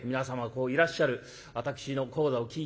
こういらっしゃる私の高座を聴いて頂く。